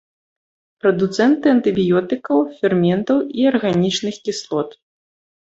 Прадуцэнты антыбіётыкаў, ферментаў і арганічных кіслот.